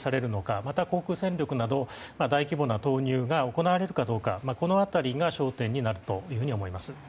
また、航空戦力など大規模な投入が行われるかどうかこの辺りが焦点になると思います。